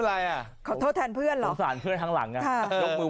ลงมือลงมือลงมือ